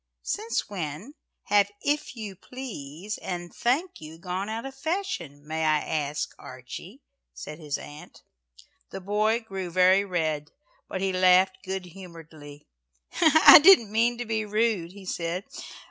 "Since when, have 'if you please' and 'thank you,' gone out of fashion, may I ask, Archie?" said his aunt. The boy grew very red, but he laughed good humouredly. "I didn't mean to be rude," he said.